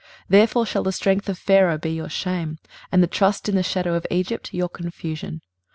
23:030:003 Therefore shall the strength of Pharaoh be your shame, and the trust in the shadow of Egypt your confusion.